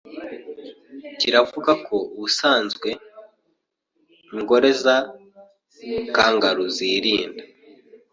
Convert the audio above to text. kiravuga ko ubusanzwe ingore za kangourou zirinda